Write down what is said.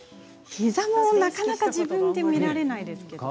膝もなかなか自分で見られないけれども。